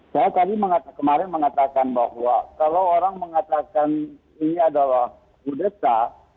saya tadi kemarin mengatakan bahwa kalau orang mengatakan ini adalah kudeta